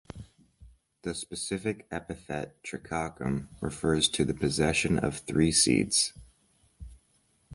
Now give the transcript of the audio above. The specific epithet "tricoccum" refers to the possession of three seeds.